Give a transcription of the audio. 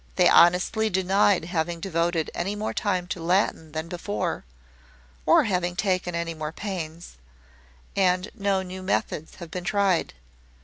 They honestly denied having devoted any more time to Latin than before, or having taken any more pains; and no new methods have been tried.